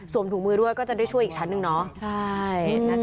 ถุงมือด้วยก็จะได้ช่วยอีกชั้นหนึ่งเนาะ